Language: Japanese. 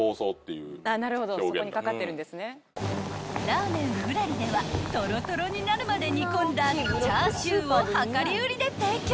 ［らーめんふらりではとろとろになるまで煮込んだチャーシューを量り売りで提供］